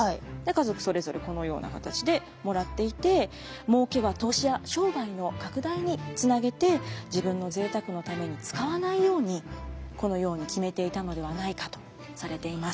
家族それぞれこのような形でもらっていてもうけは投資や商売の拡大につなげて自分のぜいたくのために使わないようにこのように決めていたのではないかとされています。